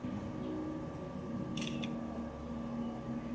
ตั้งหลาตรงมา